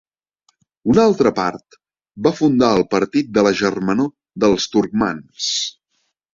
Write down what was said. Una altra part va fundar el Partit de la Germanor dels Turcmans.